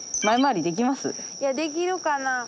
いやできるかな？